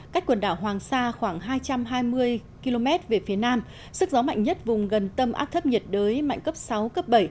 cách quần đảo hoàng sa khoảng hai trăm hai mươi km về phía nam sức gió mạnh nhất vùng gần tâm áp thấp nhiệt đới mạnh cấp sáu cấp bảy